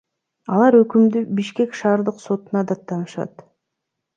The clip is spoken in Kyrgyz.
Алар өкүмдү Бишкек шаардык сотунда даттанышат.